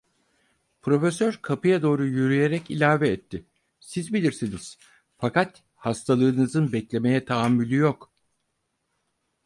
Profesör kapıya doğru yürüyerek ilave etti: Siz bilirsiniz, fakat hastalığınızın beklemeye tahammülü yok.